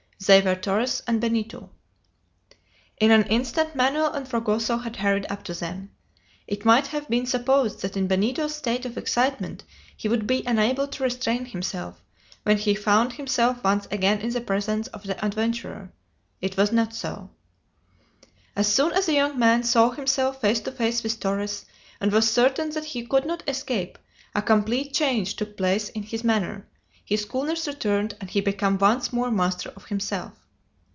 They were Torres and Benito. In an instant Manoel and Fragoso had hurried up to them. It might have been supposed that in Benito's state of excitement he would be unable to restrain himself when he found himself once again in the presence of the adventurer. It was not so. As soon as the young man saw himself face to face with Torres, and was certain that he could not escape, a complete change took place in his manner, his coolness returned, and he became once more master of himself.